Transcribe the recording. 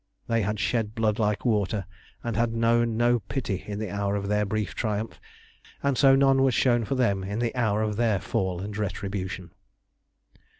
They had shed blood like water, and had known no pity in the hour of their brief triumph, and so none was shown for them in the hour of their fall and retribution.